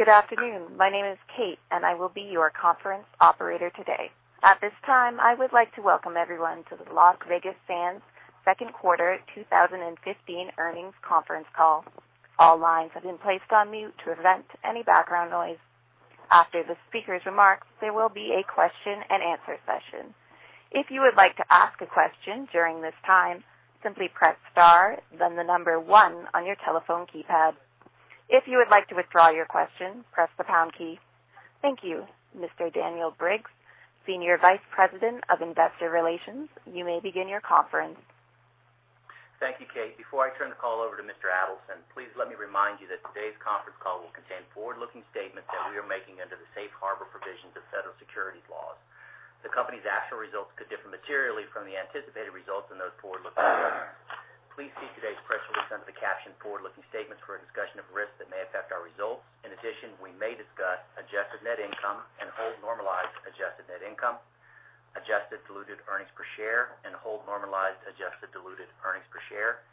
Good afternoon. My name is Kate, and I will be your conference operator today. At this time, I would like to welcome everyone to the Las Vegas Sands Second Quarter 2015 Earnings Conference Call. All lines have been placed on mute to prevent any background noise. After the speaker's remarks, there will be a question-and-answer session. If you would like to ask a question during this time, simply press star then the number 1 on your telephone keypad. If you would like to withdraw your question, press the pound key. Thank you. Mr. Daniel Briggs, Senior Vice President of Investor Relations, you may begin your conference. Thank you, Kate. Before I turn the call over to Mr. Adelson, please let me remind you that today's conference call will contain forward-looking statements that we are making under the Safe Harbor provisions of federal securities laws. The company's actual results could differ materially from the anticipated results in those forward-looking statements. Please see today's press release under the caption forward-looking statements for a discussion of risks that may affect our results. We may discuss adjusted net income and hold-normalized adjusted net income, adjusted diluted earnings per share and hold-normalized adjusted diluted earnings per share,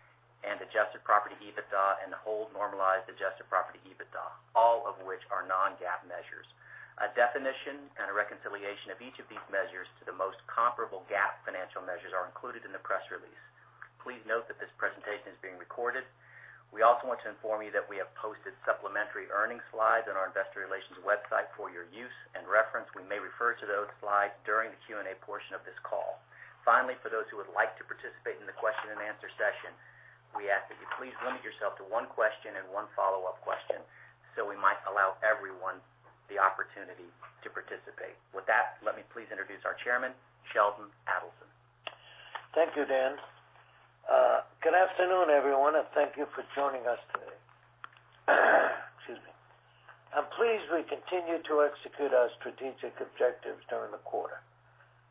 and adjusted property EBITDA and the hold-normalized adjusted property EBITDA, all of which are non-GAAP measures. A definition and a reconciliation of each of these measures to the most comparable GAAP financial measures are included in the press release. Please note that this presentation is being recorded. We also want to inform you that we have posted supplementary earnings slides on our investor relations website for your use and reference. We may refer to those slides during the Q&A portion of this call. For those who would like to participate in the question-and-answer session, we ask that you please limit yourself to one question and one follow-up question so we might allow everyone the opportunity to participate. Let me please introduce our Chairman, Sheldon Adelson. Thank you, Dan. Good afternoon, everyone, and thank you for joining us today. Excuse me. I'm pleased we continued to execute our strategic objectives during the quarter.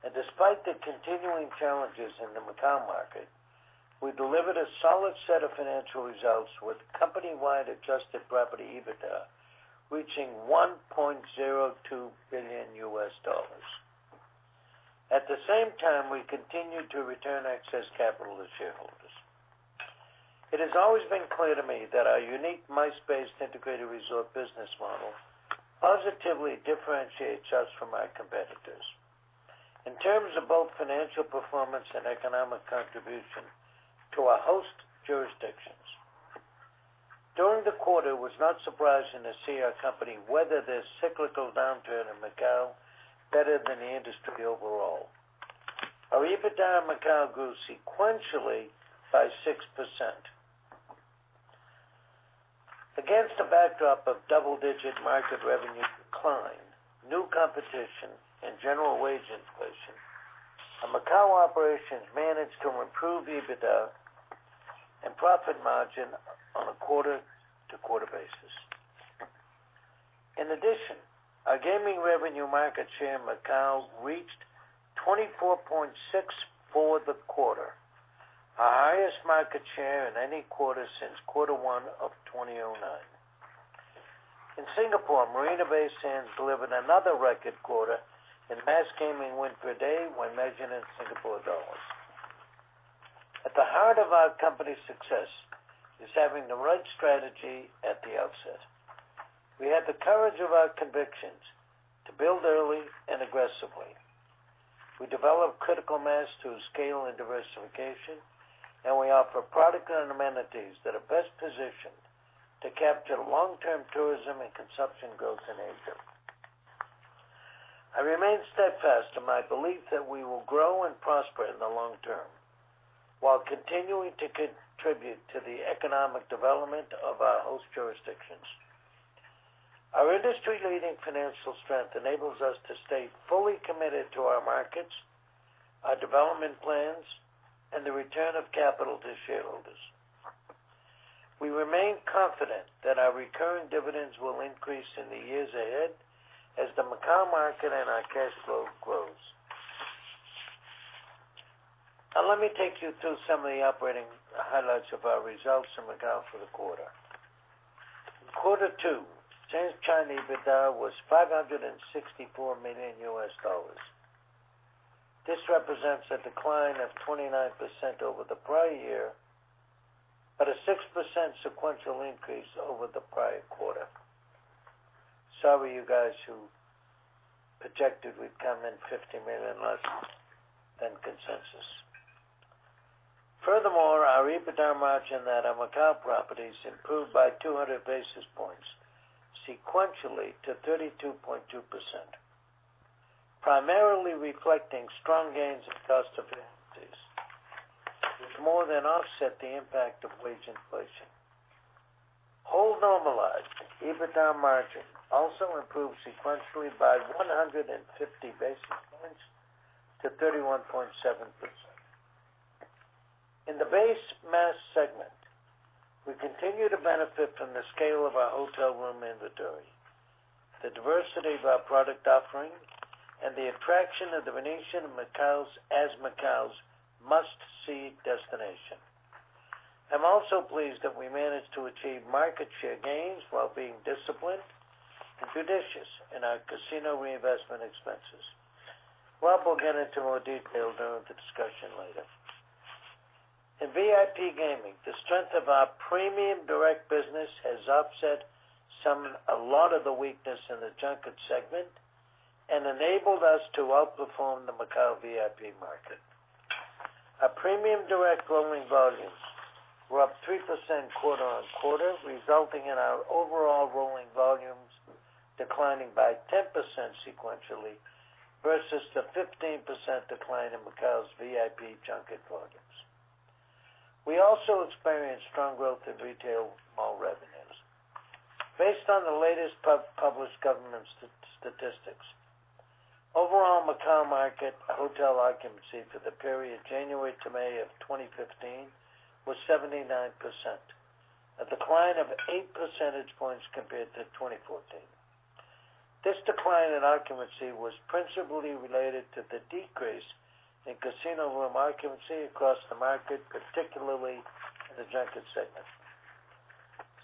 Despite the continuing challenges in the Macao market, we delivered a solid set of financial results with company-wide adjusted property EBITDA reaching $1.02 billion. At the same time, we continued to return excess capital to shareholders. It has always been clear to me that our unique MICE-based integrated resort business model positively differentiates us from our competitors in terms of both financial performance and economic contribution to our host jurisdictions. During the quarter, it was not surprising to see our company weather this cyclical downturn in Macao better than the industry overall. Our EBITDA in Macao grew sequentially by 6%. Against a backdrop of double-digit market revenue decline, new competition, and general wage inflation, our Macau operations managed to improve EBITDA and profit margin on a quarter-to-quarter basis. In addition, our gaming revenue market share in Macau reached 24.6% for the quarter, our highest market share in any quarter since quarter one of 2009. In Singapore, Marina Bay Sands delivered another record quarter in mass gaming win per day when measured in SGD. At the heart of our company's success is having the right strategy at the outset. We had the courage of our convictions to build early and aggressively. We developed critical mass through scale and diversification, and we offer product and amenities that are best positioned to capture long-term tourism and consumption growth in Asia. I remain steadfast in my belief that we will grow and prosper in the long term while continuing to contribute to the economic development of our host jurisdictions. Our industry-leading financial strength enables us to stay fully committed to our markets, our development plans, and the return of capital to shareholders. We remain confident that our recurring dividends will increase in the years ahead as the Macau market and our cash flow grows. Now, let me take you through some of the operating highlights of our results in Macau for the quarter. In Quarter Two, Sands China EBITDA was $564 million. This represents a decline of 29% over the prior year, but a 6% sequential increase over the prior quarter. Sorry, you guys who projected we'd come in $50 million less than consensus. Furthermore, our EBITDA margin at our Macau properties improved by 200 basis points sequentially to 32.2%, primarily reflecting strong gains in cost efficiencies, which more than offset the impact of wage inflation. Hold-normalized EBITDA margin also improved sequentially by 150 basis points to 31.7%. In the base mass segment, we continue to benefit from the scale of our hotel room inventory, the diversity of our product offering, and the attraction of The Venetian Macau as Macau's must-see destination. I am also pleased that we managed to achieve market share gains while being disciplined and judicious in our casino reinvestment expenses. Rob will get into more detail during the discussion later. In VIP gaming, the strength of our premium direct business has offset a lot of the weakness in the junket segment and enabled us to outperform the Macau VIP market. Our premium direct rolling volumes were up 3% quarter-on-quarter, resulting in our overall rolling volumes declining by 10% sequentially, versus the 15% decline in Macau's VIP junket volumes. We also experienced strong growth in retail mall revenues. Based on the latest published government statistics, overall Macau market hotel occupancy for the period January to May 2015 was 79%, a decline of eight percentage points compared to 2014. This decline in occupancy was principally related to the decrease in casino room occupancy across the market, particularly in the junket segment.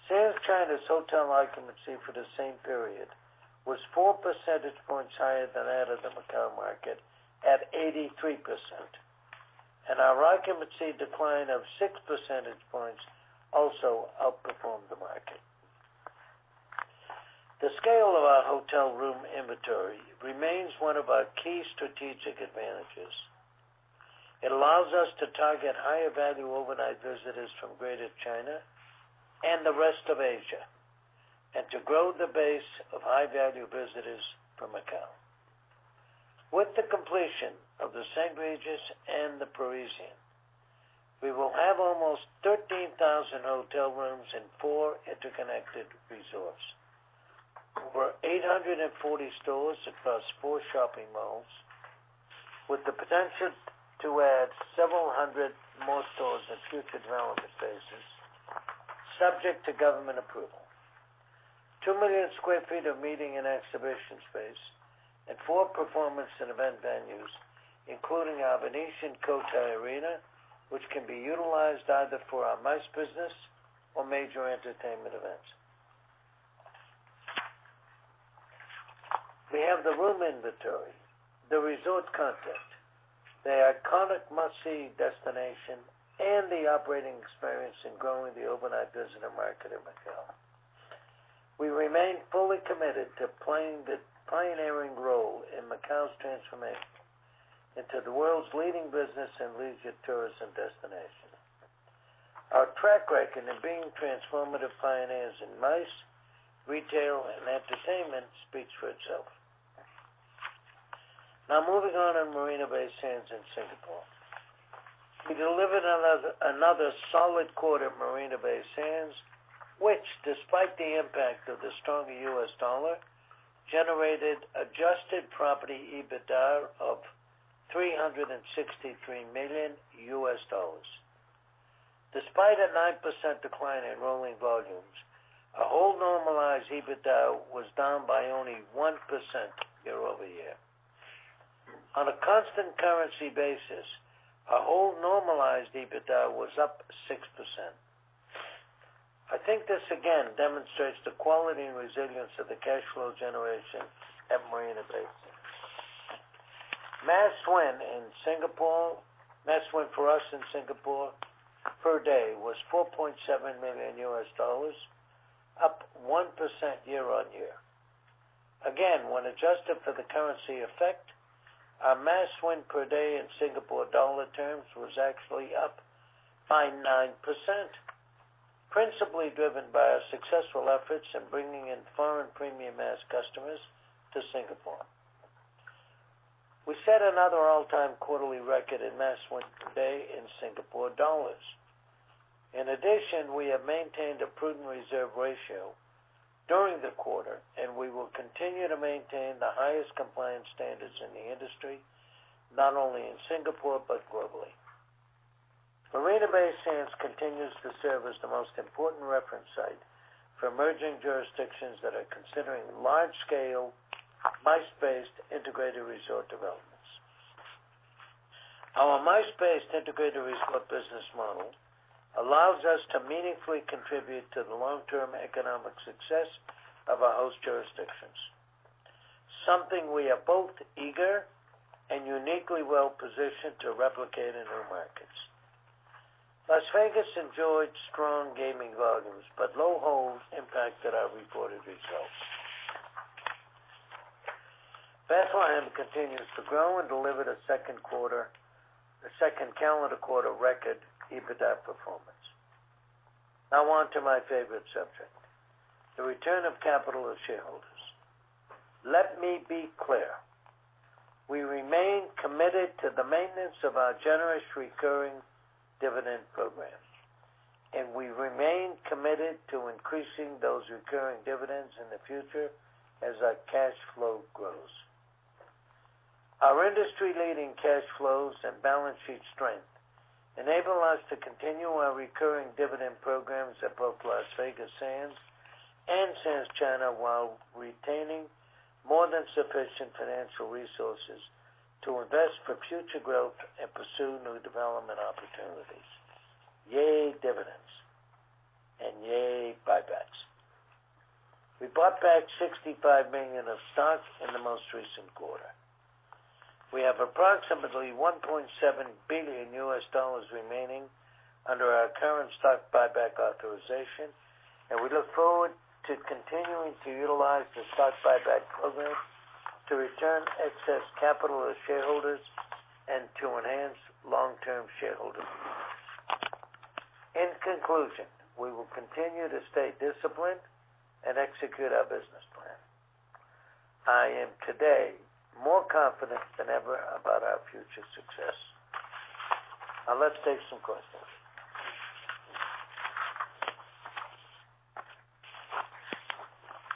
Sands China's hotel occupancy for the same period was four percentage points higher than that of the Macau market at 83%, and our occupancy decline of six percentage points also outperformed the market. The scale of our hotel room inventory remains one of our key strategic advantages. It allows us to target higher-value overnight visitors from Greater China and the rest of Asia, and to grow the base of high-value visitors from Macau. With the completion of the St. Regis and The Parisian, we will have almost 13,000 hotel rooms in four interconnected resorts, over 840 stores across four shopping malls, with the potential to add several hundred more stores in future development phases, subject to government approval. 2 million sq ft of meeting and exhibition space and four performance and event venues, including our Venetian Cotai Arena, which can be utilized either for our MICE business or major entertainment events. We have the room inventory, the resort content, the iconic must-see destination, and the operating experience in growing the overnight visitor market in Macau. We remain fully committed to playing the pioneering role in Macau's transformation into the world's leading business and leisure tourism destination. Our track record of being transformative pioneers in MICE, retail, and entertainment speaks for itself. Now moving on to Marina Bay Sands in Singapore. We delivered another solid quarter at Marina Bay Sands, which despite the impact of the stronger US dollar, generated adjusted property EBITDA of $363 million. Despite a 9% decline in rolling volumes, our hold-normalized EBITDA was down by only 1% year-over-year. On a constant currency basis, our hold-normalized EBITDA was up 6%. I think this again demonstrates the quality and resilience of the cash flow generation at Marina Bay Sands. Mass win for us in Singapore per day was $4.7 million, up 1% year-on-year. Again, when adjusted for the currency effect, our mass win per day in Singapore dollar terms was actually up by 9%, principally driven by our successful efforts in bringing in foreign premium mass customers to Singapore. We set another all-time quarterly record in mass win per day in Singapore dollars. In addition, we have maintained a prudent reserve ratio during the quarter, and we will continue to maintain the highest compliance standards in the industry, not only in Singapore but globally. Marina Bay Sands continues to serve as the most important reference site for emerging jurisdictions that are considering large-scale, MICE-based integrated resort developments. Our MICE-based integrated resort business model allows us to meaningfully contribute to the long-term economic success of our host jurisdictions. Something we are both eager and uniquely well-positioned to replicate in new markets. Las Vegas enjoyed strong gaming volumes, but low holds impacted our reported results. Bethlehem continues to grow and delivered a second calendar quarter record EBITDA performance. Now onto my favorite subject, the return of capital to shareholders. Let me be clear, we remain committed to the maintenance of our generous recurring dividend programs, and we remain committed to increasing those recurring dividends in the future as our cash flow grows. Our industry-leading cash flows and balance sheet strength enable us to continue our recurring dividend programs at both Las Vegas Sands and Sands China, while retaining more than sufficient financial resources to invest for future growth and pursue new development opportunities. Yay, dividends, and yay, buybacks. We bought back $65 million of stock in the most recent quarter. We have approximately $1.7 billion U.S. remaining under our current stock buyback authorization, and we look forward to continuing to utilize the stock buyback program to return excess capital to shareholders and to enhance long-term shareholder value. In conclusion, we will continue to stay disciplined and execute our business plan. I am today more confident than ever about our future success. Let's take some questions.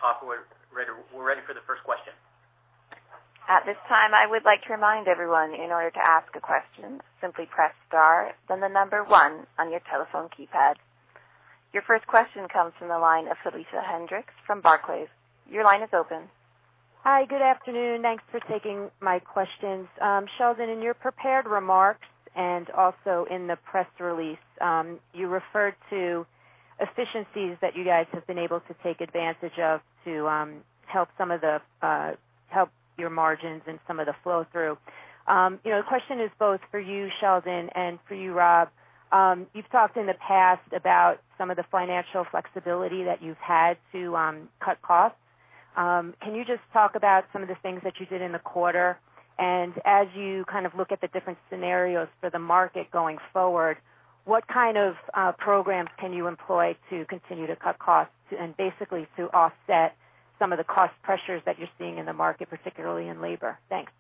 Operator, we're ready for the first question. At this time, I would like to remind everyone, in order to ask a question, simply press star, then the number 1 on your telephone keypad. Your first question comes from the line of Felicia Hendrix from Barclays. Your line is open. Hi. Good afternoon. Thanks for taking my questions. Sheldon, in your prepared remarks, also in the press release, you referred to efficiencies that you guys have been able to take advantage of to help your margins and some of the flow-through. The question is both for you, Sheldon, and for you, Rob. You've talked in the past about some of the financial flexibility that you've had to cut costs. Can you just talk about some of the things that you did in the quarter? As you look at the different scenarios for the market going forward, what kind of programs can you employ to continue to cut costs and basically to offset some of the cost pressures that you're seeing in the market, particularly in labor? Thanks.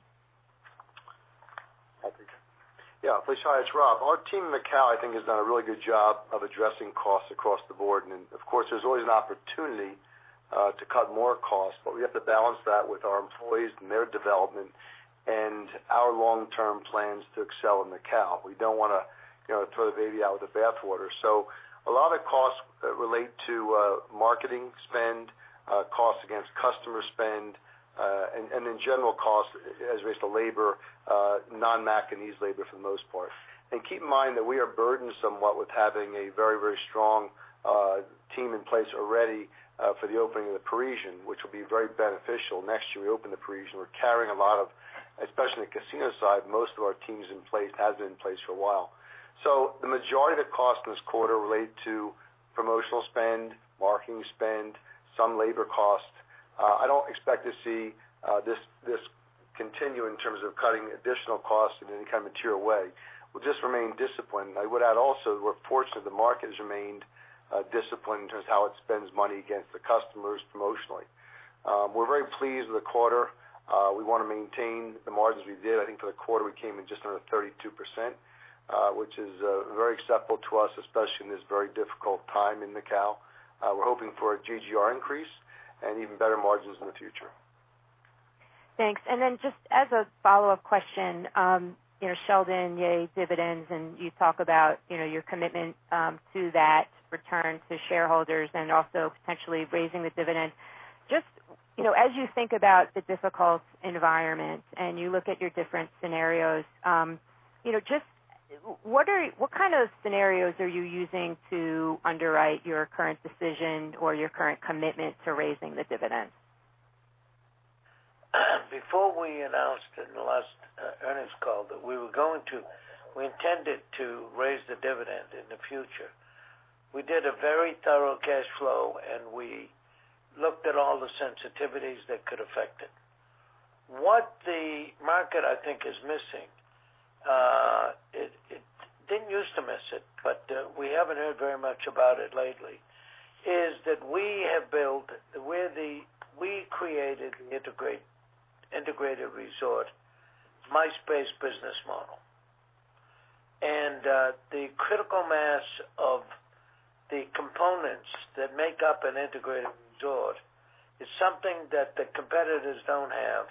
Felicia. Felicia. It's Rob. Our team in Macao, I think, has done a really good job of addressing costs across the board. Of course, there's always an opportunity to cut more costs, but we have to balance that with our employees and their development and our long-term plans to excel in Macao. We don't want to throw the baby out with the bathwater. A lot of costs relate to marketing spend, costs against customer spend, and in general costs as it relates to labor, non-Macanese labor for the most part. Keep in mind that we are burdened somewhat with having a very strong team in place already for the opening of The Parisian, which will be very beneficial. Next year, we open The Parisian. We're carrying a lot of, especially in the casino side, most of our teams in place have been in place for a while. The majority of the costs this quarter relate to promotional spend, marketing spend, some labor costs. I don't expect to see this continue in terms of cutting additional costs in any kind of material way. We'll just remain disciplined. I would add also, fortunately, the market has remained disciplined in terms of how it spends money against the customers promotionally. We're very pleased with the quarter. We want to maintain the margins we did. I think for the quarter, we came in just under 32%, which is very acceptable to us, especially in this very difficult time in Macao. We're hoping for a GGR increase and even better margins in the future. Thanks. Just as a follow-up question, Sheldon, yay dividends. You talk about your commitment to that return to shareholders and also potentially raising the dividend. Just as you think about the difficult environment and you look at your different scenarios, what kind of scenarios are you using to underwrite your current decision or your current commitment to raising the dividend? Before we announced in the last earnings call that we intended to raise the dividend in the future. We did a very thorough cash flow, and we looked at all the sensitivities that could affect it. What the market, I think, is missing, it didn't use to miss it, but we haven't heard very much about it lately, is that we created the integrated resort MICE-based business model. The critical mass of the components that make up an integrated resort is something that the competitors don't have.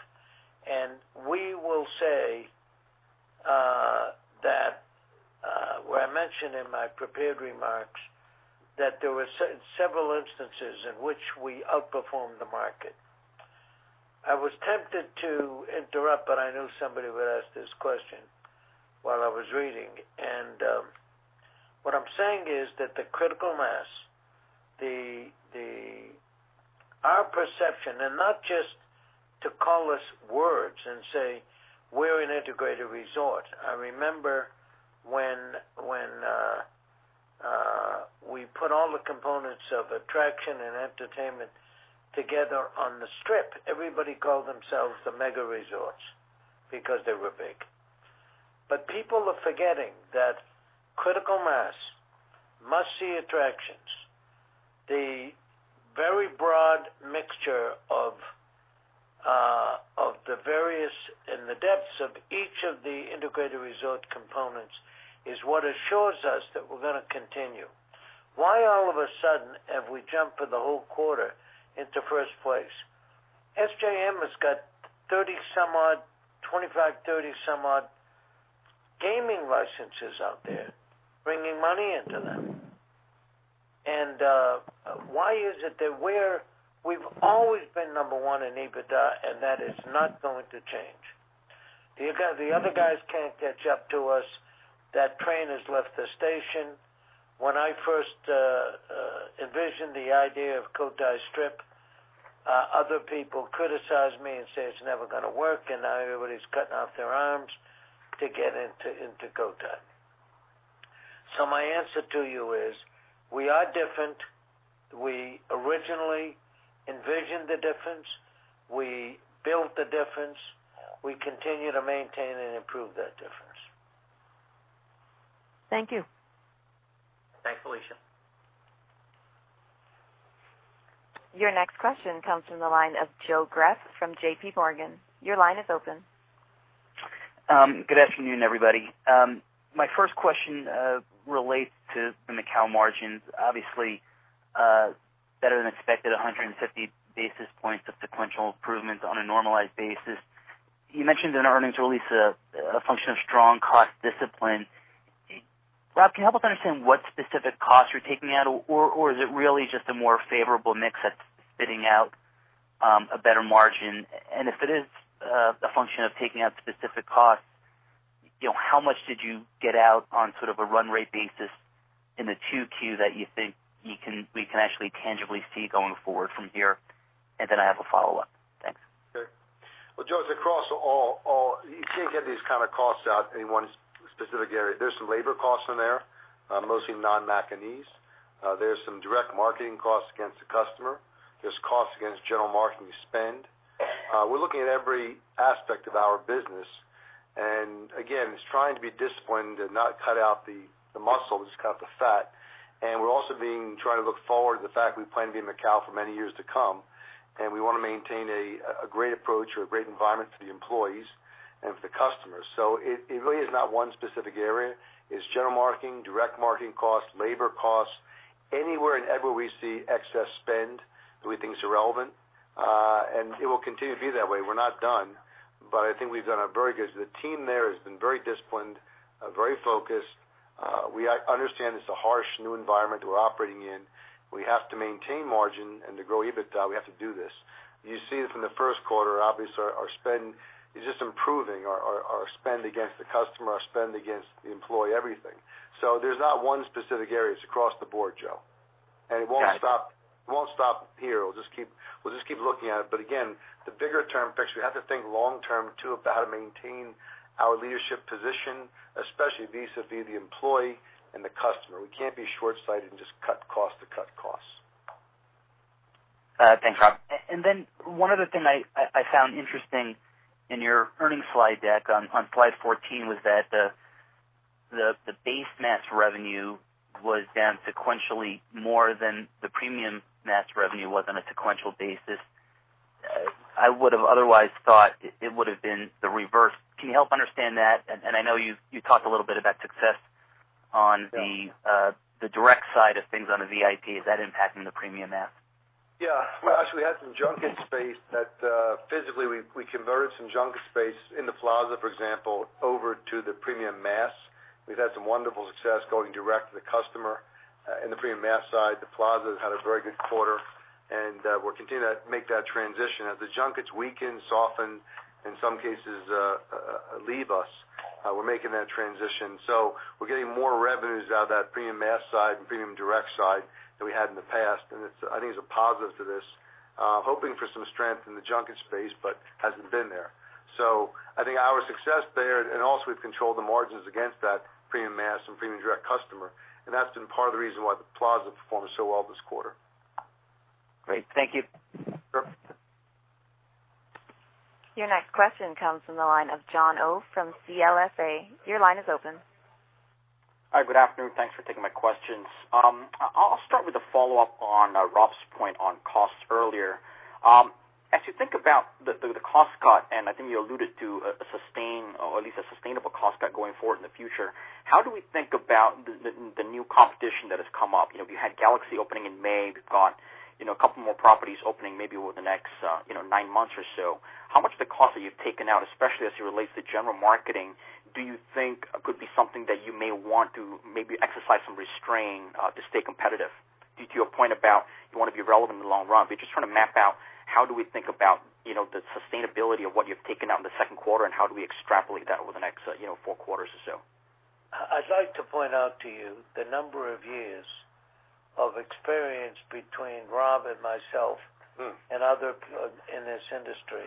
We will say that where I mentioned in my prepared remarks that there were several instances in which we outperformed the market. I was tempted to interrupt, but I knew somebody would ask this question while I was reading. What I'm saying is that the critical mass, our perception, and not just to call us words and say we're an integrated resort. I remember when we put all the components of attraction and entertainment together on the Strip, everybody called themselves the mega resorts because they were big. People are forgetting that critical mass, must-see attractions, the very broad mixture of the various and the depths of each of the integrated resort components is what assures us that we're going to continue. Why all of a sudden have we jumped for the whole quarter into first place? SJM has got 25, 30 some odd gaming licenses out there, bringing money into them. Why is it that we've always been number one in EBITDA, and that is not going to change. The other guys can't catch up to us. That train has left the station. When I first envisioned the idea of Cotai Strip, other people criticized me and said it's never going to work, and now everybody's cutting off their arms to get into Cotai. My answer to you is, we are different. We originally envisioned the difference. We built the difference. We continue to maintain and improve that difference. Thank you. Thanks, Felicia. Your next question comes from the line of Joe Greff from JPMorgan. Your line is open. Good afternoon, everybody. My first question relates to the Macau margins. Obviously, better-than-expected 150 basis points of sequential improvement on a normalized basis. You mentioned in earnings release a function of strong cost discipline. Rob, can you help us understand what specific costs you're taking out? Or is it really just a more favorable mix that's spitting out a better margin? If it is a function of taking out specific costs, how much did you get out on sort of a run rate basis in the 2Q that you think we can actually tangibly see going forward from here? Then I have a follow-up. Thanks. Okay. Well, Joe, you can't get these kind of costs out in one specific area. There's some labor costs in there, mostly non-Macanese. There's some direct marketing costs against the customer. There's costs against general marketing spend. We're looking at every aspect of our business. Again, it's trying to be disciplined and not cut out the muscle, just cut the fat. We're also trying to look forward to the fact we plan to be in Macau for many years to come, and we want to maintain a great approach or a great environment for the employees and for the customers. It really is not one specific area. It's general marketing, direct marketing costs, labor costs. Anywhere and everywhere we see excess spend that we think is irrelevant. It will continue to be that way. We're not done, but I think we've done The team there has been very disciplined, very focused. We understand it's a harsh new environment we're operating in. We have to maintain margin, and to grow EBITDA, we have to do this. You see it from the first quarter. Obviously, our spend is just improving, our spend against the customer, our spend against the employee, everything. There's not one specific area. It's across the board, Joe. Got it. It won't stop here. We'll just keep looking at it. Again, the bigger term picture, we have to think long term too, about how to maintain our leadership position, especially vis-à-vis the employee and the customer. We can't be shortsighted and just cut cost to cut costs. Thanks, Rob. One other thing I found interesting in your earnings slide deck on slide 14 was that the base mass revenue was down sequentially more than the premium mass revenue was on a sequential basis. I would have otherwise thought it would have been the reverse. Can you help understand that? I know you talked a little bit about success on the direct side of things on the VIP. Is that impacting the premium mass? Yeah. Well, actually, we had some junket space that physically we converted some junket space in The Plaza, for example, over to the premium mass. We've had some wonderful success going direct to the customer in the premium mass side. The Plaza has had a very good quarter, and we're continuing to make that transition. As the junkets weaken, soften, in some cases, leave us, we're making that transition. We're getting more revenues out of that premium mass side and premium direct side than we had in the past, and I think it's a positive to this. Hoping for some strength in the junket space, hasn't been there. I think our success there, and also we've controlled the margins against that premium mass and premium direct customer, and that's been part of the reason why The Plaza performed so well this quarter. Great. Thank you. Sure. Your next question comes from the line of Jon Oh from CLSA. Your line is open. Hi, good afternoon. Thanks for taking my questions. I'll start with a follow-up on Rob's point on costs earlier. As you think about the cost cut, I think you alluded to a sustain or at least a sustainable cost cut going forward in the future, how do we think about the new competition that has come up? You had Galaxy opening in May. We've got a couple more properties opening maybe over the next nine months or so. How much of the cost that you've taken out, especially as it relates to general marketing, do you think could be something that you may want to maybe exercise some restraint to stay competitive? Due to your point about you want to be relevant in the long run, but just trying to map out how do we think about the sustainability of what you've taken out in the second quarter, and how do we extrapolate that over the next four quarters or so? I'd like to point out to you the number of years of experience between Rob and myself and other in this industry,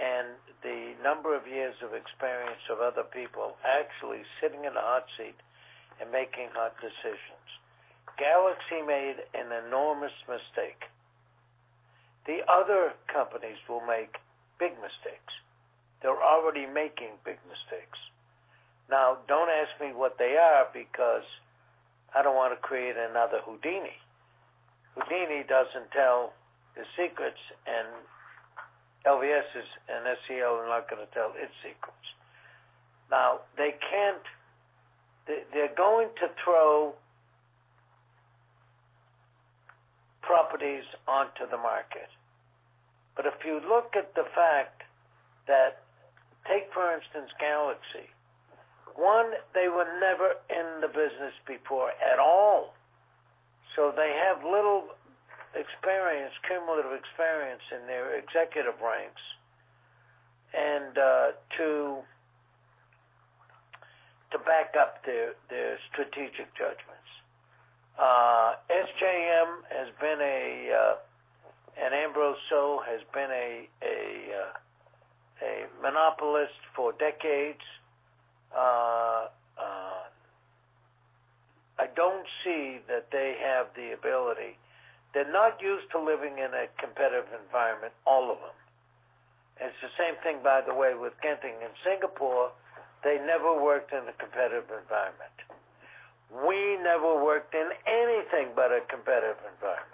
and the number of years of experience of other people actually sitting in the hot seat and making hot decisions. Galaxy made an enormous mistake. The other companies will make big mistakes. They're already making big mistakes. Don't ask me what they are, because I don't want to create another Houdini. Houdini doesn't tell his secrets, and LVS and SCL are not going to tell its secrets. They're going to throw properties onto the market. If you look at the fact that, take for instance, Galaxy. One, they were never in the business before at all. They have little cumulative experience in their executive ranks to back up their strategic judgments. SJM and Ambrose So has been a monopolist for decades. I don't see that they have the ability. They're not used to living in a competitive environment, all of them. It's the same thing, by the way, with Genting in Singapore. They never worked in a competitive environment. We never worked in anything but a competitive environment.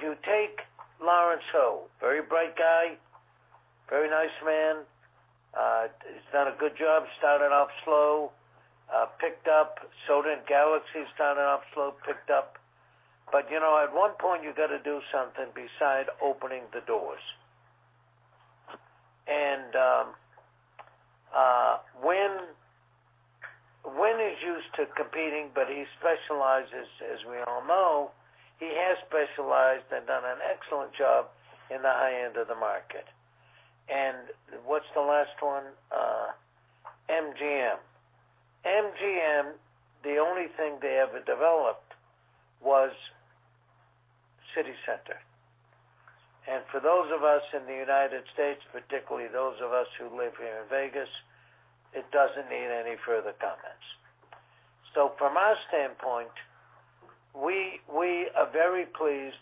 You take Lawrence Ho, very bright guy, very nice man. He's done a good job, started off slow, picked up. Did Galaxy, started off slow, picked up. At one point, you got to do something beside opening the doors. Wynn is used to competing, but he specializes, as we all know, he has specialized and done an excellent job in the high end of the market. What's the last one? MGM. MGM, the only thing they ever developed was CityCenter. For those of us in the U.S., particularly those of us who live here in Vegas, it doesn't need any further comments. From our standpoint, we are very pleased.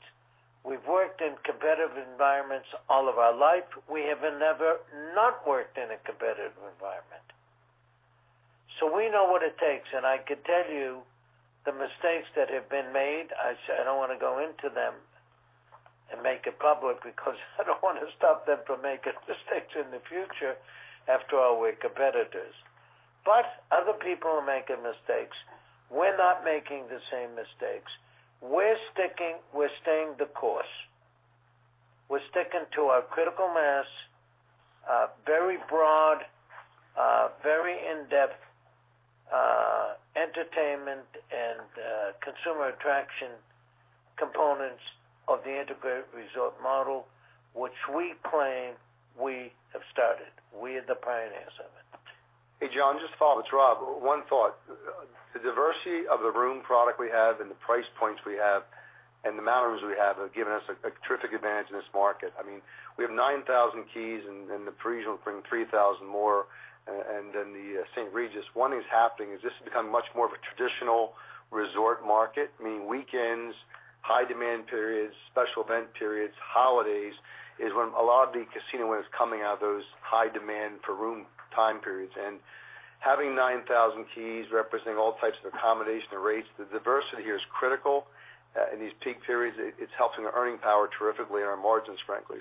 We've worked in competitive environments all of our life. We have never not worked in a competitive environment. We know what it takes, and I could tell you the mistakes that have been made. I don't want to go into them and make it public because I don't want to stop them from making mistakes in the future. After all, we're competitors. Other people are making mistakes. We're not making the same mistakes. We're staying the course. We're sticking to our critical mass, very broad, very in-depth entertainment, and consumer attraction components of the integrated resort model, which we claim we have started. We are the pioneers of it. Hey, Jon, just to follow up. It's Rob. One thought. The diversity of the room product we have and the price points we have and the mountains we have given us a terrific advantage in this market. We have 9,000 keys, and the Parisian will bring 3,000 more, and then the St. Regis. One thing's happening is this has become much more of a traditional resort market, meaning weekends, high demand periods, special event periods, holidays, is when a lot of the casino win is coming out of those high demand for room time periods. Having 9,000 keys representing all types of accommodation and rates, the diversity here is critical in these peak periods. It's helping the earning power terrifically and our margins, frankly.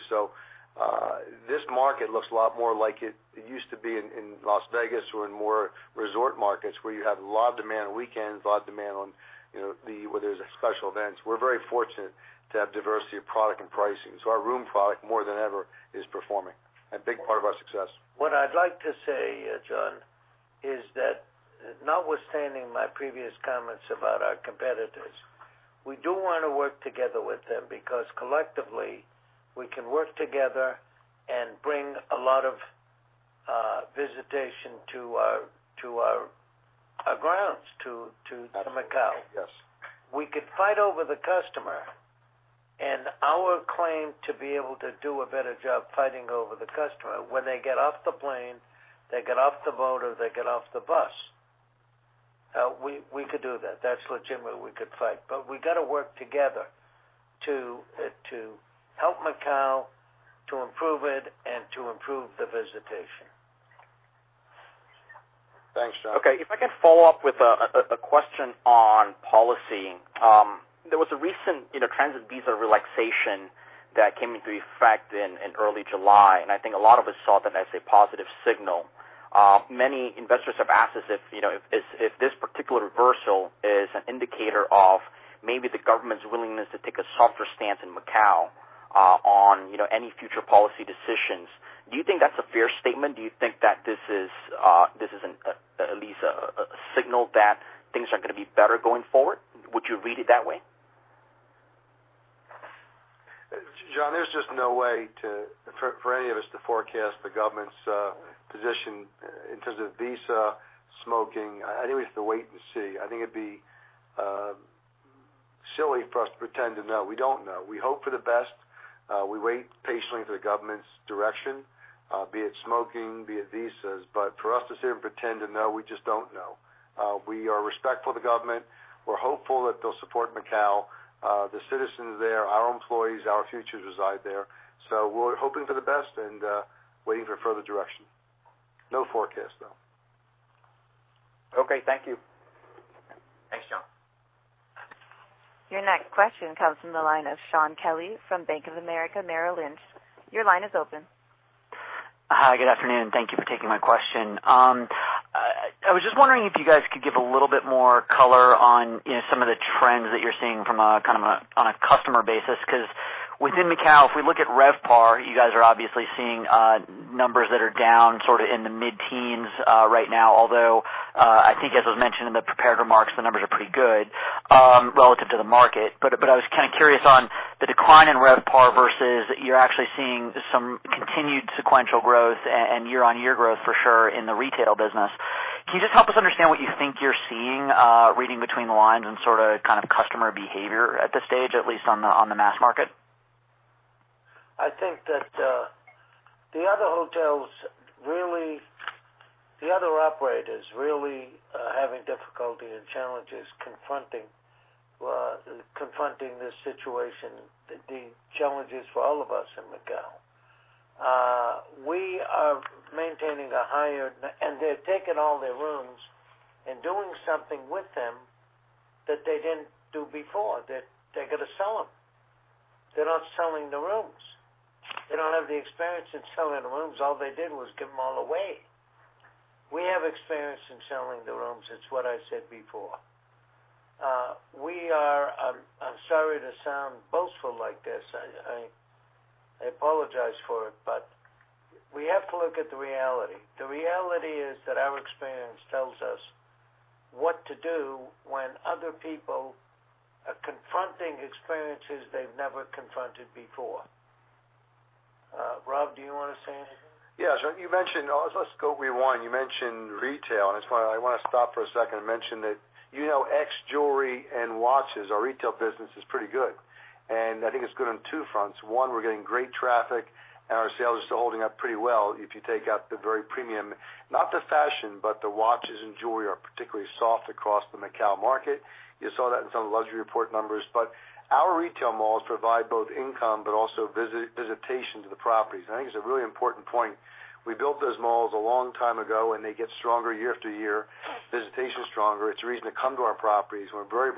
This market looks a lot more like it used to be in Las Vegas or in more resort markets where you have a lot of demand on weekends, a lot of demand where there's special events. We're very fortunate to have diversity of product and pricing. Our room product, more than ever, is performing. A big part of our success. What I'd like to say, John, is that notwithstanding my previous comments about our competitors, we do want to work together with them because collectively, we can work together and bring a lot of visitation to our grounds, to Macau. Yes. We could fight over the customer, our claim to be able to do a better job fighting over the customer when they get off the plane, they get off the boat, or they get off the bus. We could do that. That's legitimate. We could fight. We got to work together to help Macau, to improve it, and to improve the visitation. Thanks, John. Okay. If I can follow up with a question on policy. There was a recent transit visa relaxation that came into effect in early July, and I think a lot of us saw that as a positive signal. Many investors have asked us if this particular reversal is an indicator of maybe the government's willingness to take a softer stance in Macau on any future policy decisions. Do you think that's a fair statement? Do you think that this is at least a signal that things are going to be better going forward? Would you read it that way? John, there's just no way for any of us to forecast the government's position in terms of visa, smoking. I think we have to wait and see. I think it'd be silly for us to pretend to know. We don't know. We hope for the best. We wait patiently for the government's direction, be it smoking, be it visas. For us to sit here and pretend to know, we just don't know. We are respectful of the government. We're hopeful that they'll support Macau. The citizens there, our employees, our futures reside there. We're hoping for the best and waiting for further direction. No forecast, though. Okay. Thank you. Thanks, John. Your next question comes from the line of Shaun Kelley from Bank of America Merrill Lynch. Your line is open. Hi, good afternoon. Thank you for taking my question. I was just wondering if you guys could give a little bit more color on some of the trends that you're seeing from a customer basis. Within Macau, if we look at RevPAR, you guys are obviously seeing numbers that are down sort of in the mid-teens right now. Although, I think as was mentioned in the prepared remarks, the numbers are pretty good relative to the market. I was kind of curious on the decline in RevPAR versus you're actually seeing some continued sequential growth and year-on-year growth for sure in the retail business. Can you just help us understand what you think you're seeing, reading between the lines, and sort of customer behavior at this stage, at least on the mass market? I think that the other hotels, really, the other operators really are having difficulty and challenges confronting this situation, the challenges for all of us in Macau. We are maintaining. They're taking all their rooms and doing something with them that they didn't do before, that they're going to sell them. They're not selling the rooms. They don't have the experience in selling the rooms. All they did was give them all away. We have experience in selling the rooms, it's what I said before. I'm sorry to sound boastful like this. I apologize for it, we have to look at the reality. The reality is that our experience tells us what to do when other people are confronting experiences they've never confronted before. Rob, do you want to say anything? Yes. Let's go rewind. You mentioned retail, I want to stop for a second and mention that ex-jewelry and watches, our retail business is pretty good. I think it's good on two fronts. One, we're getting great traffic, and our sales are still holding up pretty well if you take out the very premium, not the fashion, but the watches and jewelry are particularly soft across the Macau market. You saw that in some of the luxury report numbers. Our retail malls provide both income but also visitation to the properties, and I think it's a really important point. We built those malls a long time ago, they get stronger year after year. Visitation's stronger. It's a reason to come to our properties. We're very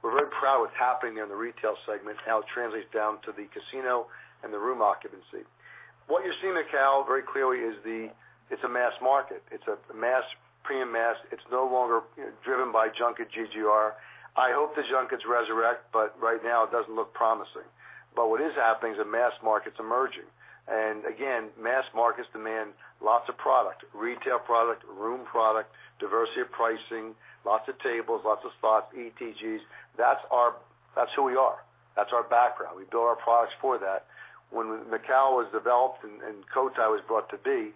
proud of what's happening in the retail segment and how it translates down to the casino and the room occupancy. What you see in Macao, very clearly is it's a mass market. It's a mass, premium mass. It's no longer driven by junket GGR. I hope the junkets resurrect, but right now it doesn't look promising. What is happening is a mass market's emerging. Again, mass markets demand lots of product, retail product, room product, diversity of pricing, lots of tables, lots of slots, ETGs. That's who we are. That's our background. We build our products for that. When Macao was developed and Cotai was brought to be,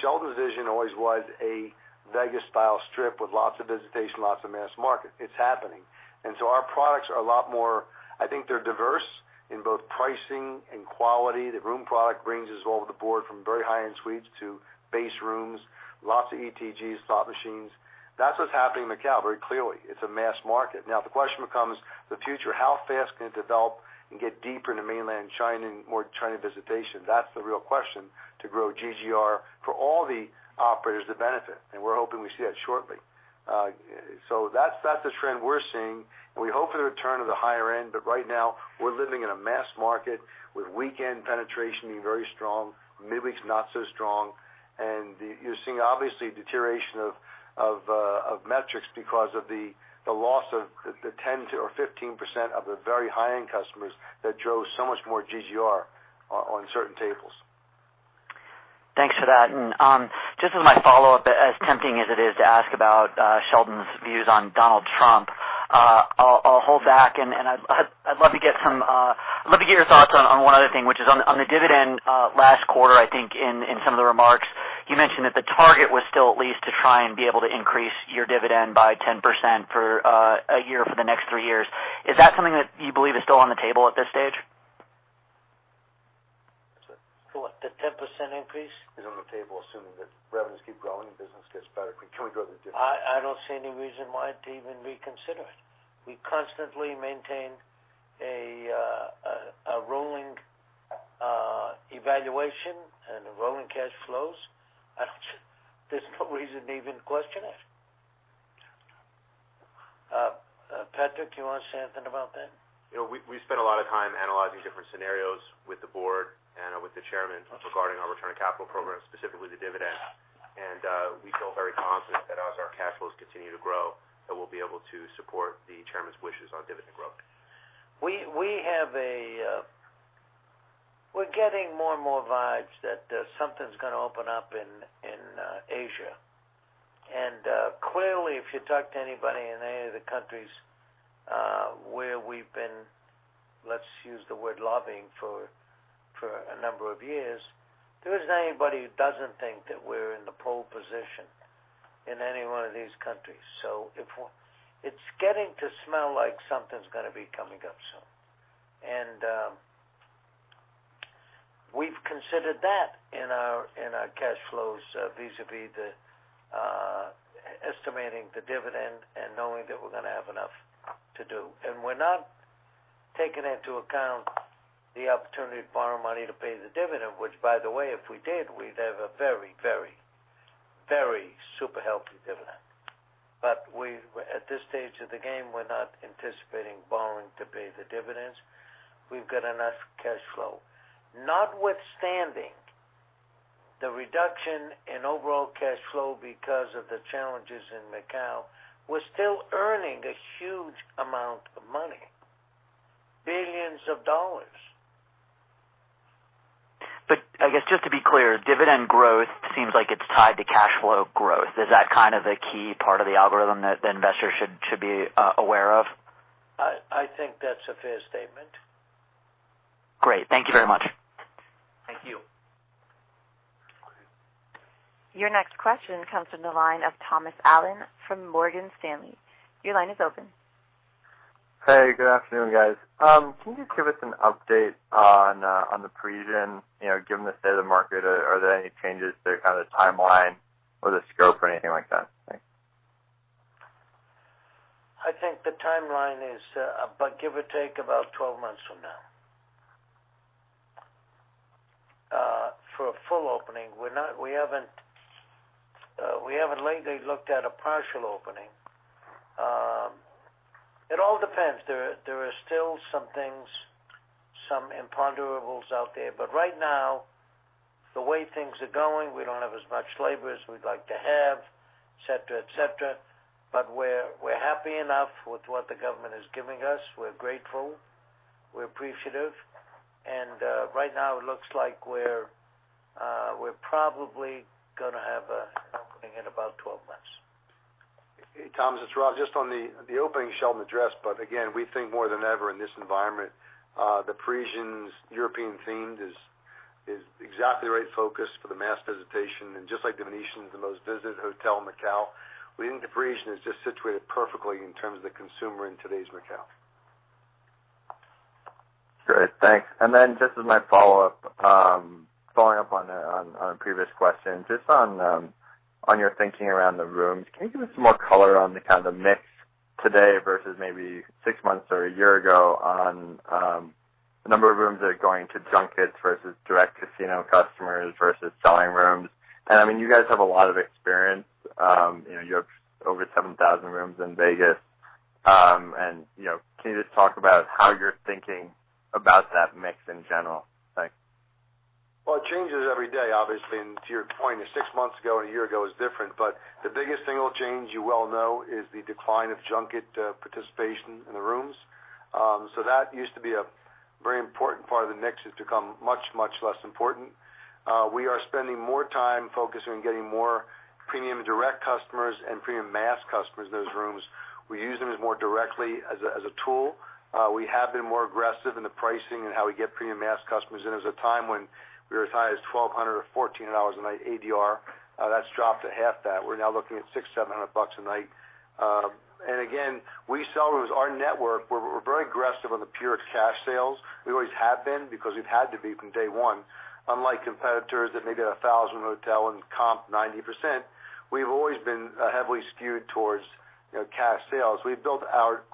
Sheldon's vision always was a Vegas-style strip with lots of visitation, lots of mass market. It's happening. Our products are a lot more, I think they're diverse in both pricing and quality. The room product brings us all over the board from very high-end suites to base rooms, lots of ETGs, slot machines. That's what's happening in Macao, very clearly. It's a mass market. The question becomes the future. How fast can it develop and get deeper into mainland China and more China visitation? That's the real question to grow GGR for all the operators to benefit, we're hoping we see that shortly. That's the trend we're seeing, we hope for the return of the higher end. Right now, we're living in a mass market with weekend penetration being very strong, midweek's not so strong. You're seeing, obviously, deterioration of metrics because of the loss of the 10 or 15% of the very high-end customers that drove so much more GGR on certain tables. Thanks for that. Just as my follow-up, as tempting as it is to ask about Sheldon's views on Donald Trump, I'll hold back, I'd love to get your thoughts on one other thing, which is on the dividend. Last quarter, I think in some of the remarks, you mentioned that the target was still at least to try and be able to increase your dividend by 10% per year for the next three years. Is that something that you believe is still on the table at this stage? For what? The 10% increase? Is on the table, assuming that revenues keep growing and business gets better. Can we grow the dividend? I don't see any reason why to even reconsider it. We constantly maintain a rolling evaluation and rolling cash flows. There's no reason to even question it. Patrick, do you want to say anything about that? We spend a lot of time analyzing different scenarios with the board and with the chairman regarding our return of capital program, specifically the dividend. We feel very confident that as our cash flows continue to grow, that we'll be able to support the chairman's wishes on dividend growth. We're getting more and more vibes that something's going to open up in Asia. Clearly, if you talk to anybody in any of the countries where we've been, let's use the word lobbying for a number of years, there isn't anybody who doesn't think that we're in the pole position in any one of these countries. It's getting to smell like something's going to be coming up soon. We've considered that in our cash flows vis-à-vis the estimating the dividend and knowing that we're going to have enough to do. We're not taking into account the opportunity to borrow money to pay the dividend, which by the way, if we did, we'd have a very super healthy dividend. At this stage of the game, we're not anticipating borrowing to pay the dividends. We've got enough cash flow. Notwithstanding the reduction in overall cash flow because of the challenges in Macau, we're still earning a huge amount of money, $ billions. I guess just to be clear, dividend growth seems like it's tied to cash flow growth. Is that kind of a key part of the algorithm that the investors should be aware of? I think that's a fair statement. Great. Thank you very much. Thank you. Your next question comes from the line of Thomas Allen from Morgan Stanley. Your line is open. Hey, good afternoon, guys. Can you just give us an update on the Parisian, given the state of the market? Are there any changes to the timeline or the scope or anything like that? Thanks. I think the timeline is, give or take about 12 months from now. For a full opening. We haven't lately looked at a partial opening. It all depends. There are still some things, some imponderables out there. Right now, the way things are going, we don't have as much labor as we'd like to have, et cetera. We're happy enough with what the government is giving us. We're grateful. We're appreciative. Right now it looks like we're probably going to have an opening in about 12 months. Hey, Thomas, it's Rob. Just on the opening Sheldon addressed, again, we think more than ever in this environment, The Parisian's European themed is exactly the right focus for the mass visitation. Just like The Venetian is the most visited hotel in Macao, we think The Parisian is just situated perfectly in terms of the consumer in today's Macao. Great. Thanks. Just as my follow-up, following up on a previous question, just on your thinking around the rooms. Can you give us more color on the kind of mix today versus maybe six months or a year ago on the number of rooms that are going to junkets versus direct casino customers versus selling rooms? You guys have a lot of experience. You have over 7,000 rooms in Vegas. Can you just talk about how you're thinking about that mix in general? Thanks. Well, it changes every day, obviously. To your point, six months ago and a year ago is different. The biggest single change you well know is the decline of junket participation in the rooms. That used to be a very important part of the mix, has become much, much less important. We are spending more time focusing on getting more premium direct customers and premium mass customers in those rooms. We use them as more directly as a tool. We have been more aggressive in the pricing and how we get premium mass customers in. There was a time when we were as high as $1,200 or $1,400 a night ADR. That's dropped to half that. We're now looking at $600, $700 a night. Again, we sell rooms. Our network, we're very aggressive on the pure cash sales. We always have been because we've had to be from day one. Unlike competitors that maybe have 1,000 hotel and comp 90%, we've always been heavily skewed towards cash sales. We've built our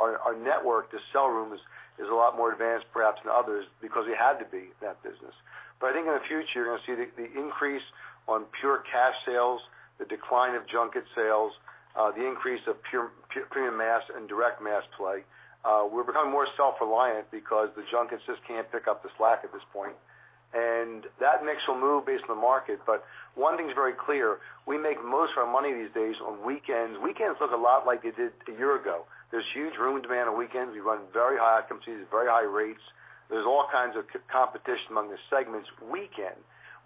network to sell rooms is a lot more advanced perhaps than others because it had to be in that business. I think in the future, you're going to see the increase on pure cash sales, the decline of junket sales, the increase of premium mass and direct mass play. We're becoming more self-reliant because the junkets just can't pick up the slack at this point, that mix will move based on the market. One thing is very clear, we make most of our money these days on weekends. Weekends look a lot like they did a year ago. There's huge room demand on weekends. We run very high occupancies, very high rates. There's all kinds of competition among the segments weekend.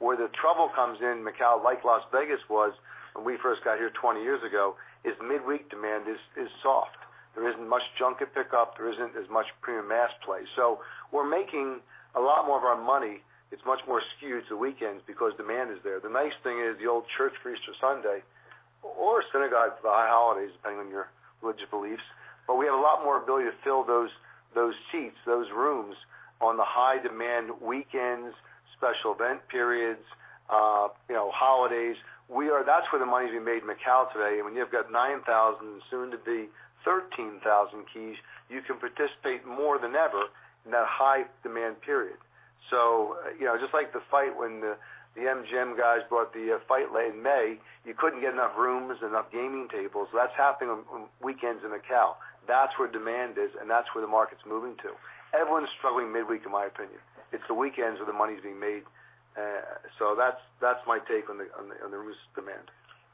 Where the trouble comes in Macao, like Las Vegas was when we first got here 20 years ago, is midweek demand is soft. There isn't much junket pickup. There isn't as much premium mass play. We're making a lot more of our money. It's much more skewed to weekends because demand is there. The nice thing is the old church for Easter Sunday or synagogue for the high holidays, depending on your religious beliefs. We have a lot more ability to fill those seats, those rooms on the high demand weekends, special event periods, holidays. That's where the money's being made in Macao today. When you've got 9,000, soon to be 13,000 keys, you can participate more than ever in that high demand period. Just like the fight when the MGM guys brought the fight late in May, you couldn't get enough rooms, enough gaming tables. That's happening on weekends in Macao. That's where demand is, that's where the market's moving to. Everyone's struggling midweek, in my opinion. It's the weekends where the money's being made. That's my take on the room's demand.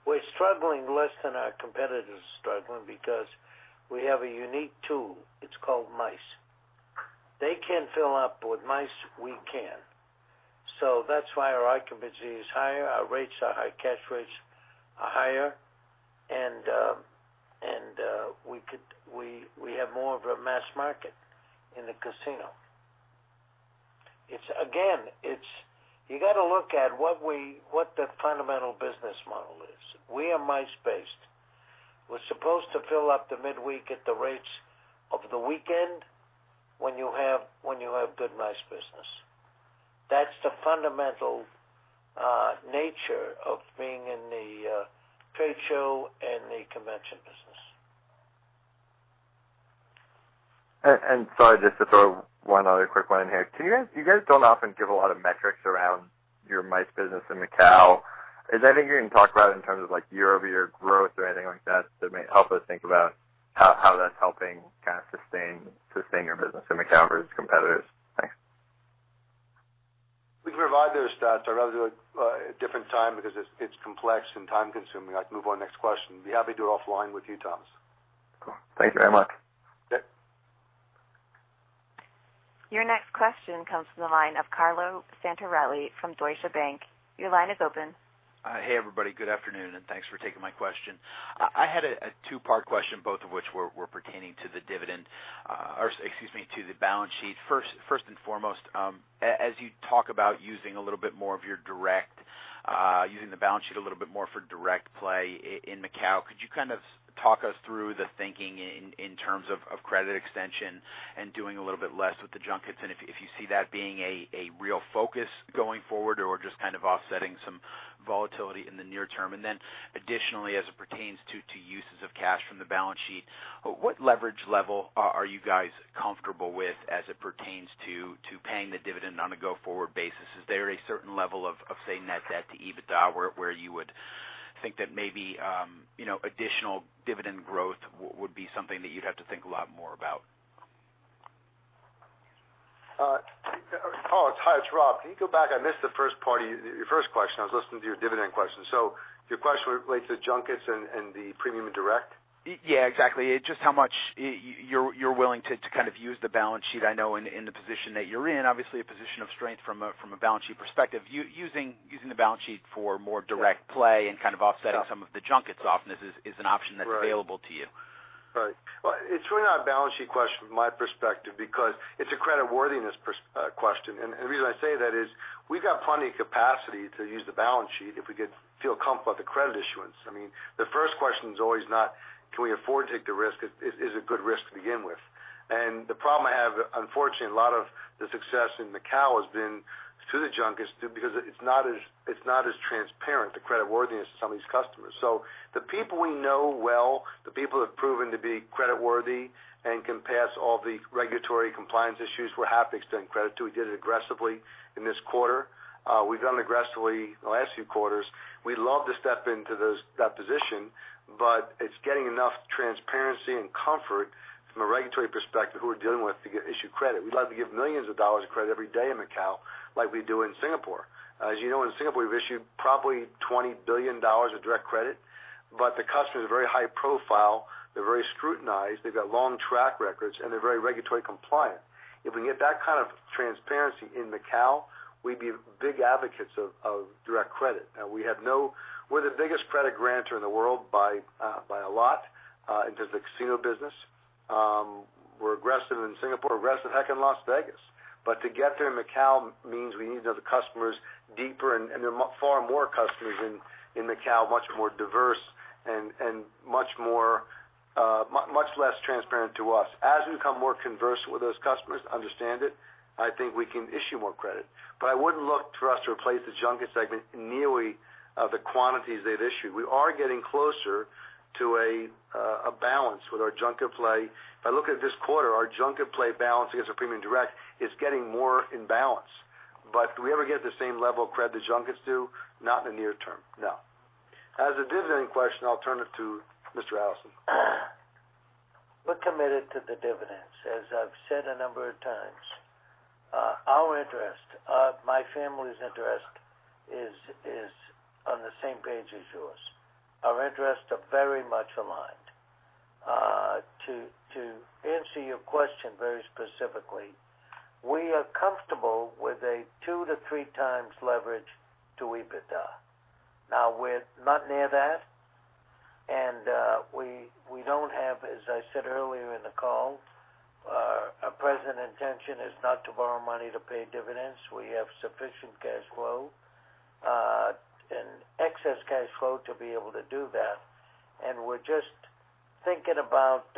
We're struggling less than our competitors are struggling because we have a unique tool. It's called MICE. They can't fill up with MICE. We can. That's why our occupancy is higher, our rates are higher, cash rates are higher. We have more of a mass market in the casino. Again, you got to look at what the fundamental business model is. We are MICE-based. We're supposed to fill up the midweek at the rates of the weekend when you have good MICE business. That's the fundamental nature of being in the trade show and the convention business. Sorry, just to throw one other quick one in here. You guys don't often give a lot of metrics around your MICE business in Macao. Is there anything you can talk about in terms of year-over-year growth or anything like that may help us think about how that's helping sustain your business in Macao versus competitors? Thanks. We can provide those stats. I'd rather do it at a different time because it's complex and time-consuming. I can move on to the next question. I'd be happy to do it offline with you, Thomas. Cool. Thank you very much. Yep. Your next question comes from the line of Carlo Santarelli from Deutsche Bank. Your line is open. Hey, everybody. Good afternoon, and thanks for taking my question. I had a two-part question, both of which were pertaining to the dividend, or excuse me, to the balance sheet. First and foremost, as you talk about using the balance sheet a little bit more for direct play in Macau, could you talk us through the thinking in terms of credit extension and doing a little bit less with the junkets, and if you see that being a real focus going forward or just offsetting some volatility in the near term? Additionally, as it pertains to uses of cash from the balance sheet, what leverage level are you guys comfortable with as it pertains to paying the dividend on a go-forward basis? Is there a certain level of, say, net debt to EBITDA, where you would think that maybe additional dividend growth would be something that you'd have to think a lot more about? Carlo, hi, it's Rob. Can you go back? I missed the first part of your first question. I was listening to your dividend question. Your question relates to the junkets and the premium and direct? Yeah, exactly. Just how much you're willing to use the balance sheet. I know in the position that you're in, obviously a position of strength from a balance sheet perspective, using the balance sheet for more direct play and kind of offsetting some of the junkets often is an option that's available to you. Right. Well, it's really not a balance sheet question from my perspective, because it's a creditworthiness question. The reason I say that is we've got plenty of capacity to use the balance sheet if we feel comfortable with the credit issuance. I mean, the first question is always not, can we afford to take the risk? Is it a good risk to begin with? The problem I have, unfortunately, a lot of the success in Macau has been through the junkets because it's not as transparent, the creditworthiness of some of these customers. The people we know well, the people who have proven to be creditworthy and can pass all the regulatory compliance issues, we're happy to extend credit to. We did it aggressively in this quarter. We've done it aggressively the last few quarters. We'd love to step into that position, but it's getting enough transparency and comfort from a regulatory perspective who we're dealing with to issue credit. We'd love to give millions of dollars of credit every day in Macau like we do in Singapore. As you know, in Singapore, we've issued probably $20 billion of direct credit, but the customers are very high profile, they're very scrutinized, they've got long track records, and they're very regulatory compliant. If we can get that kind of transparency in Macau, we'd be big advocates of direct credit. We're the biggest credit grantor in the world by a lot in terms of casino business. We're aggressive in Singapore, aggressive heck in Las Vegas. To get there in Macau means we need to know the customers deeper, and there are far more customers in Macau, much more diverse and much less transparent to us. As we become more conversant with those customers, understand it, I think we can issue more credit. I wouldn't look for us to replace the junket segment nearly the quantities they've issued. We are getting closer to a balance with our junket play. If I look at this quarter, our junket play balance against our premium direct is getting more in balance. Do we ever get the same level of credit the junkets do? Not in the near term, no. As a dividend question, I'll turn it to Mr. Adelson. We're committed to the dividends. As I've said a number of times, our interest, my family's interest is on the same page as yours. Our interests are very much aligned. To answer your question very specifically, we are comfortable with a two to three times leverage to EBITDA. We're not near that, and we don't have, as I said earlier in the call, our present intention is not to borrow money to pay dividends. We have sufficient cash flow and excess cash flow to be able to do that. We're just thinking about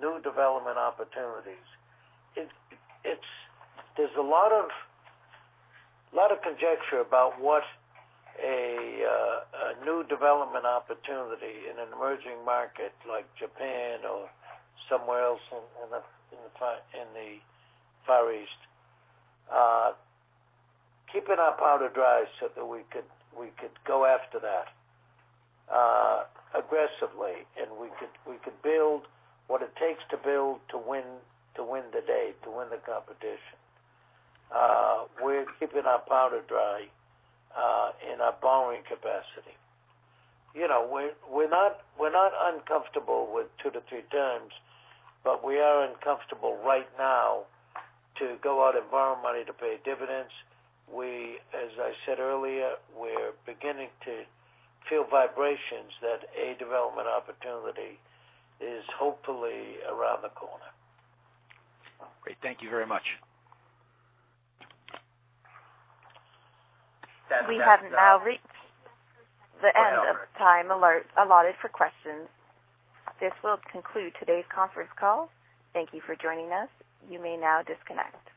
new development opportunities. There's a lot of conjecture about what a new development opportunity in an emerging market like Japan or somewhere else in the Far East. Keeping our powder dry so that we could go after that aggressively, and we could build what it takes to build to win the day, to win the competition. We're keeping our powder dry in our borrowing capacity. We're not uncomfortable with two to three times, we are uncomfortable right now to go out and borrow money to pay dividends. As I said earlier, we're beginning to feel vibrations that a development opportunity is hopefully around the corner. Great. Thank you very much. We have now reached the end of time allotted for questions. This will conclude today's conference call. Thank you for joining us. You may now disconnect.